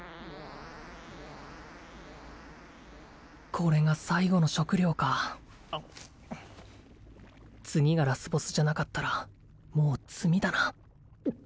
これが最後の食料か次がラスボスじゃなかったらもう詰みだな